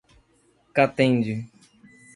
Catende